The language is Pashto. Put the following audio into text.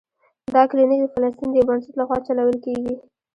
دا کلینک د فلسطین د یو بنسټ له خوا چلول کیږي.